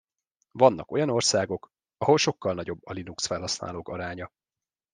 Vannak olyan országok, ahol sokkal nagyobb a Linux felhasználók aránya.